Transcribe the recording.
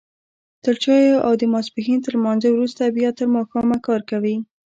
تر چايو او د ماسپښين تر لمانځه وروسته بيا تر ماښامه کار کوي.